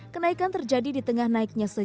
kenaikan terjadi di tengah naiknya